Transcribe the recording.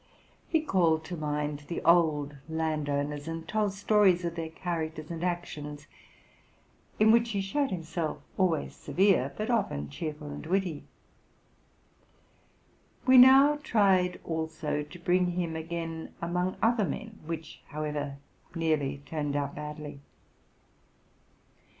He called to mind the old landowners, and told stories of their characters and actions, in which he showed himself always severe, but often cheerful and witty. We now tried also to bring him again among other men, which, however, nearly turned out badly.